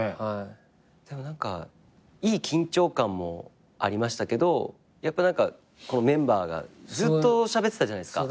でも何かいい緊張感もありましたけどやっぱメンバーがずっとしゃべってたじゃないですか。